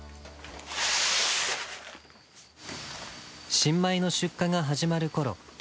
新米の出荷が始まるころ